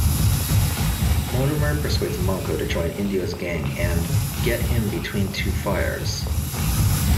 Mortimer persuades Manco to join Indio's gang and "get him between two fires".